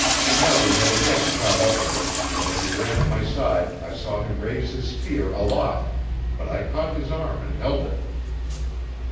Harry had again caught up with us, and as he ran at my side I saw him raise his spear aloft; but I caught his arm and held it.